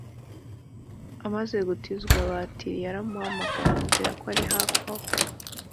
Amaze gutizwa batiri yaramuhamagaye amubwira ko ari hafi aho